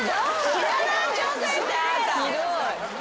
ひどい。